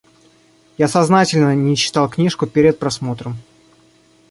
Я сознательно не читал книжку перед просмотром.